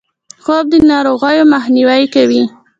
خوب د ناروغیو مخنیوی کوي